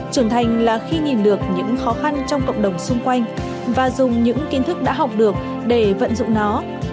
trưởng thành là khi nhìn được những khó khăn trong cộng đồng xung quanh và dùng những kiến thức đã học được để vận dụng nó